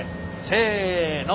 せの。